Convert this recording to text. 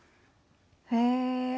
へえ。